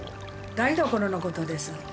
・台所のことです